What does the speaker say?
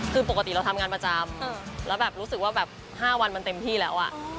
คือปกติเราทำงานประจำแล้วแบบรู้สึกว่าแบบ๕วันมันเต็มที่แล้ว